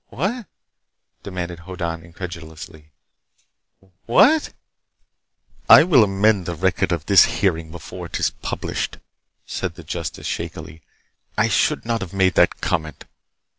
"Wha a at?" demanded Hoddan incredulously. "Wha a at?" "I will amend the record of this hearing before it is published," said the justice shakily. "I should not have made that comment.